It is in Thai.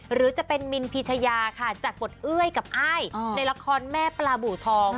หรือจะเป็นมินพีชยาค่ะจากบทเอ้ยกับอ้ายในละครแม่ปลาบูทอง